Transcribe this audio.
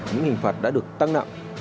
những hình phạt đã được tăng nặng